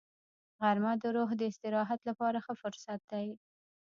غرمه د روح د استراحت لپاره ښه فرصت دی